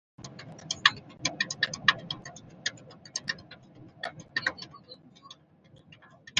Rié ne mamba neka i nkwet njap me.